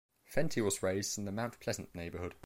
Fenty was raised in the Mount Pleasant neighborhood.